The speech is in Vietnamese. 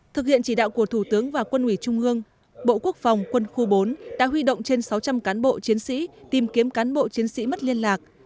thực hiện chỉ đạo của thủ tướng và quân ủy trung ương bộ quốc phòng quân khu bốn đã huy động trên sáu trăm linh cán bộ chiến sĩ tìm kiếm cán bộ chiến sĩ mất liên lạc